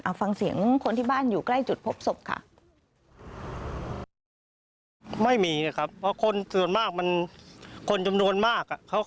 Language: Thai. ฟังเสียงคนที่บ้านอยู่ใกล้จุดพบศพค่ะ